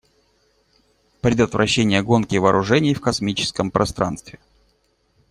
Предотвращение гонки вооружений в космическом пространстве.